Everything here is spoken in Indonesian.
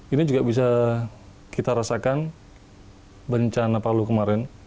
ini juga bisa kita rasakan bencana palu kemarin